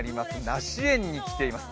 梨園に来ています。